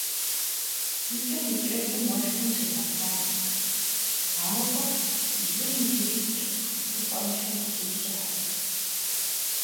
ИкӀэм-икӀэжым уэшхым щигъэтащ, ауэ жьым иджыри кӀыфӀ пхыплъыпӀэншэм къыщиущыхьырт.